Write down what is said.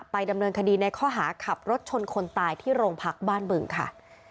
ดำเนินคดีในข้อหาขับรถชนคนตายที่โรงพักบ้านบึงค่ะ